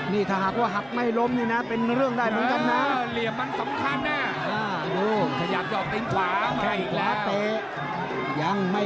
นี่ถ้าหักว่าหักไม่ล้มนี่นะเป็นเรื่องได้เหมือนกันนะ